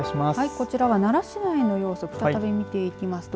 こちらは奈良市内の様子再び見ていきますと